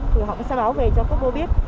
thì họ sẽ báo về cho quốc bố biết